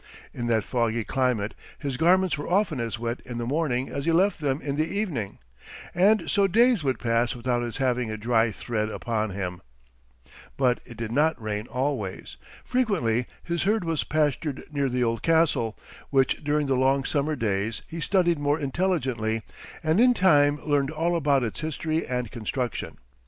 In that foggy climate his garments were often as wet in the morning as he left them in the evening, and so days would pass without his having a dry thread upon him. But it did not rain always. Frequently his herd was pastured near the old castle, which, during the long summer days, he studied more intelligently, and in time learned all about its history and construction.